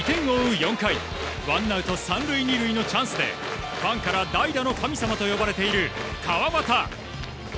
４回ワンアウト３塁２塁のチャンスでファンから代打の神様と呼ばれている、川端。